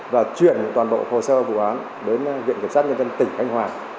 và chuyển toàn bộ hồ sơ vụ án đến viện kiểm sát nhân dân tỉnh khánh hòa